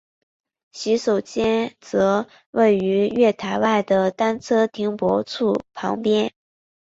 洗手间则位于月台外的单车停泊处旁边。